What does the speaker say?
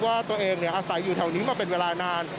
ว่าตัวเองอาศัยอยู่แถวนี้มาเป็นเวลานาน